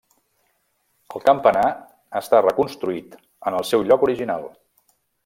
El campanar està reconstruït, en el seu lloc original.